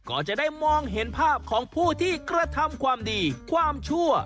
ก็จะได้มองเห็นภาพของผู้ที่กระทำความดีความชั่ว